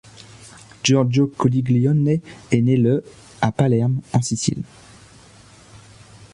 Giorgio Coniglione est né le à Palerme, en Sicile.